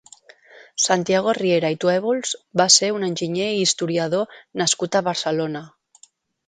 Santiago Riera i Tuèbols va ser un enginyer i historiador nascut a Barcelona.